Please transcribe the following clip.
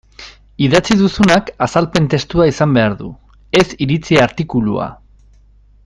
Idatzi duzunak azalpen testua izan behar du, ez iritzi artikulua.